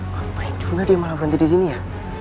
ngapain juga dia malah berhenti disini ya